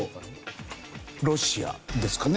ロシアですかね